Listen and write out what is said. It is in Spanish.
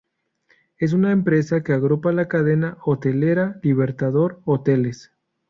Es una empresa que agrupa la cadena hotelera Libertador Hoteles.